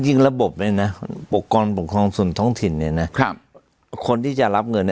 จริงระบบเลยนะปกครองส่วนท้องถิ่นคนที่จะรับเงิน